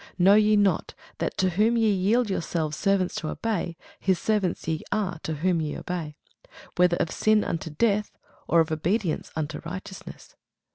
Know ye not, that to whom ye yield yourselves servants to obey, his servants ye are to whom ye obey; whether of sin unto death, or of obedience unto righteousness?